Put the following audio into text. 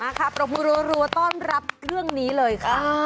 มาครับปรบภูรูรัวต้อนรับเรื่องนี้เลยค่ะ